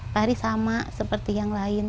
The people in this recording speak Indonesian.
paris sama seperti yang lain